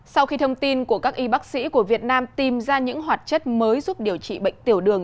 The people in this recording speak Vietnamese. sau khi thông tin của các y bác sĩ của việt nam tìm ra những hoạt chất mới giúp điều trị bệnh tiểu đường